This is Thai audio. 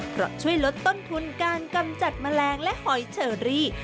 เพราะช่วยลดต้นทุนการกำจัดแมลงและหอยเชอรี่